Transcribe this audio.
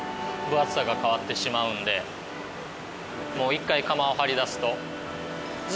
一回釜を張りだすと。